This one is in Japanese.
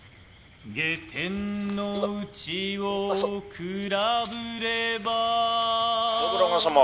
「下天の内をくらぶれば」「信長様」。